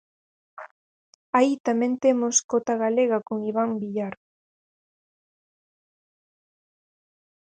Aí tamén temos cota galega con Iván Villar.